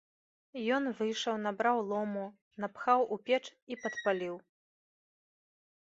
Ён выйшаў, набраў лому, напхаў у печ і падпаліў.